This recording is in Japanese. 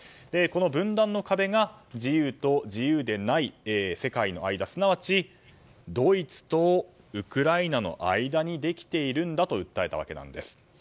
この分断の壁が自由と自由でない世界の間すなわちドイツとウクライナの間にできているんだと訴えたわけなんです。